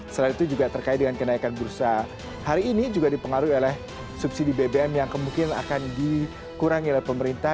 selain itu juga terkait dengan kenaikan bursa hari ini juga dipengaruhi oleh subsidi bbm yang kemungkinan akan dikurangi oleh pemerintah